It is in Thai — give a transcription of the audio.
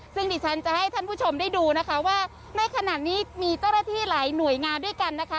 ซึ่งดิฉันจะให้ท่านผู้ชมได้ดูนะคะว่าในขณะนี้มีเจ้าหน้าที่หลายหน่วยงานด้วยกันนะคะ